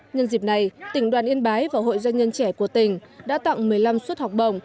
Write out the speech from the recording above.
nhân dịp này tỉnh đoàn yên bái và hội doanh nhân trẻ của tỉnh đã tặng một mươi năm suất học bổng